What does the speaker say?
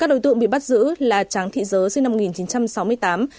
các đối tượng bị bắt giữ là tráng thị giớ sinh năm một nghìn chín trăm sáu mươi tám